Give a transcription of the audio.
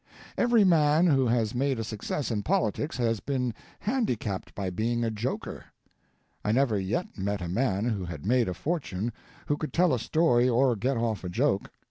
Every man who has made a success in politics has been handicapped by being a joker. I never yet met a man who had made a fortune who could tell a story or get off a joke.